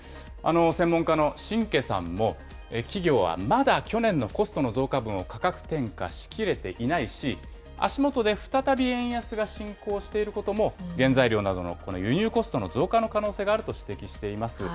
専門家の新家さんも、企業はまだ去年のコストの増加分を価格転嫁しきれていないし、足元で再び円安が進行していることも、原材料の輸入コストの増加の可能性があると指摘しています。